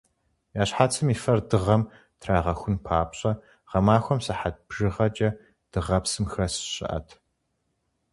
Я щхьэцым и фэр дыгъэм трагъэхун папщӀэ, гъэмахуэм сыхьэт бжыгъэкӀэ дыгъэпсым хэс щыӀэт.